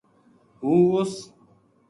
ہوں اس